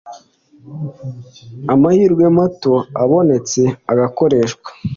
amahirwe mato abonetse agakoreshwa